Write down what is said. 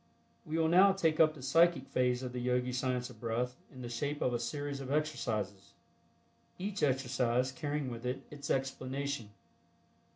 We will now take up the Psychic phase of the Yogi Science of Breath in the shape of a series of exercises, each exercise carrying with it its explanation.